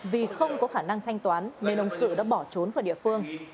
vì không có khả năng thanh toán nên ông sự đã bỏ trốn khỏi địa phương